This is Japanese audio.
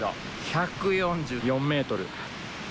１４４ｍ。